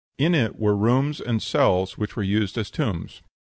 In it were rooms and cells which were used as tombs.